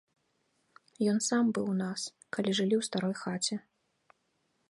Ён сам быў у нас, калі жылі ў старой хаце.